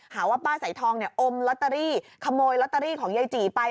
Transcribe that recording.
หาว่าป้าสายทองเนี่ยอมลอตเตอรี่ขโมยลอตเตอรี่ของยายจีไป